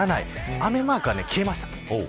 雨マークが消えました。